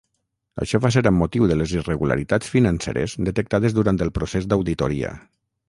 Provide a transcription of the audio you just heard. Això va ser amb motiu de les irregularitats financeres detectades durant el procés d'auditoria.